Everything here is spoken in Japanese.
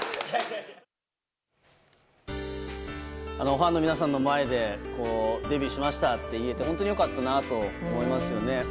ファンの皆さんの前でデビューしましたって言えて本当に良かったなと思いますね。